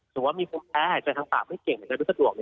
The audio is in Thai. ถึงว่ามีควบแพ้หายใจทั้งฝากไม่เก่งแต่จะรู้สะดวก